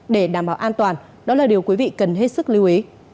để đảm bảo an toàn đó là điều quý vị cần hết sức lưu ý